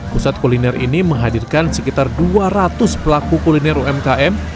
pusat kuliner ini menghadirkan sekitar dua ratus pelaku kuliner umkm